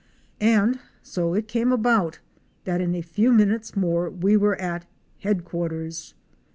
And so it came about that in a few minutes more we were at "Headquarters."